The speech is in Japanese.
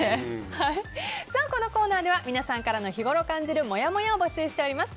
このコーナーでは皆さんから日ごろ感じるもやもやを募集しています。